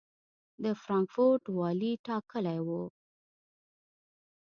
د فرانکفورټ والي ټاکلی و.